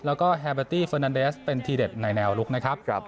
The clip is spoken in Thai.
แล้วก็แฮเบอร์ตี้เฟอร์นันเดสเป็นทีเด็ดในแนวลุกนะครับ